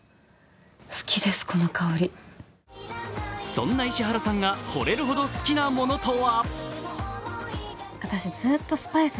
そんな石原さんがほれるほど好きなものとは？